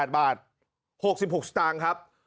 ๘บาท๖๖สตางค์ครับ